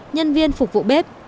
nhân viên phục vụ bếp